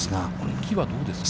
木はどうですか。